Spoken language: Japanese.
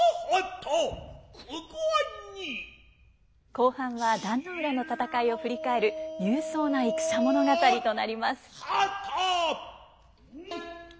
後半は壇ノ浦の戦いを振り返る勇壮な戦物語となります。